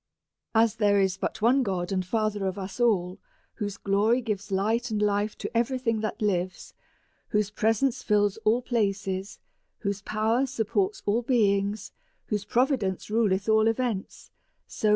As there is but one God and Father of us all, whose glory gives light and life to every thing that lives, whose presence fills all places, whose power supports all beings, whose providence ruleth all events ; so DEVOUT AND HOLY LIFE.